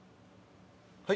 はい？